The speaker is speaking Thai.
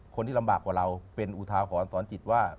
คนที่ลำบากกว่าเราเป็นอุทาหรณ์สอนจิตว่า